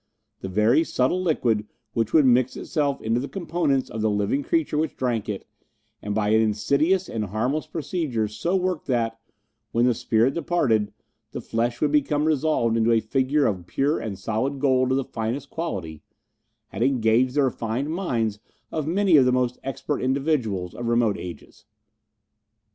The very subtle liquid, which would mix itself into the component parts of the living creature which drank it, and by an insidious and harmless process so work that, when the spirit departed, the flesh would become resolved into a figure of pure and solid gold of the finest quality, had engaged the refined minds of many of the most expert individuals of remote ages.